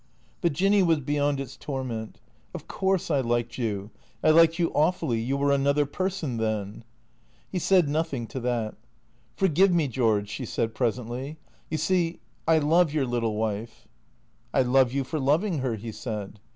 But Jinny was beyond its torment. "Of course I liked you. I liked you awfully. You were another person then." He said nothing to that. " Forgive me, George," she said presently. " You see, I love your little wife.' " I love you for loving her," he said.